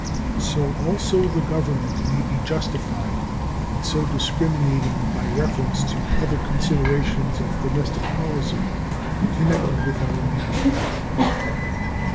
So also the Government may be justified in so discriminating by reference to other considerations of domestic policy connected with our manufactures.